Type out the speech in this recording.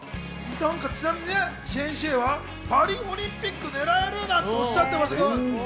ちなみに先生は、パリオリンピック狙えるなんておっしゃってましたけど。